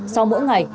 sau mỗi ngày